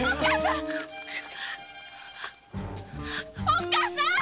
おっ母さん！